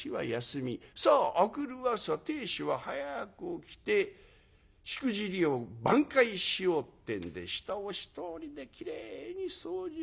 さあ明くる朝亭主は早く起きてしくじりを挽回しようってんで下を１人できれいに掃除を済ます。